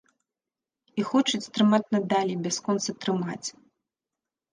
І хочуць трымаць надалей, бясконца трымаць.